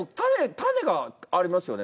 種がありますよね。